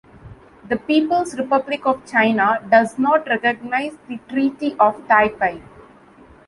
The People's Republic of China does not recognize the Treaty of Taipei.